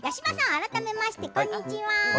改めましてこんにちは。